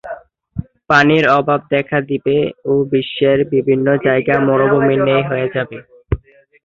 পানির অভাব দেখা দিবে ও বিশ্বের বিভিন্ন জায়গা মরুভূমির ন্যায় হয়ে যাবে।